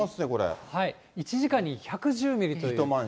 １時間に１１０ミリという。